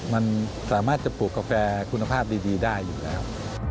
มันสามารถจะปลูกกาแฟคุณภาพดีได้อยู่แล้ว